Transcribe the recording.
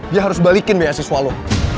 dia harus balikin beasiswa lo